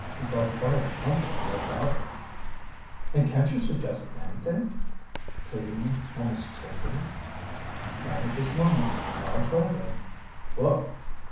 He felt quite uncomfortable about it. "And can't you suggest anything?" pleadingly, almost tearfully. "Not at this moment. I'll try, though. Look!"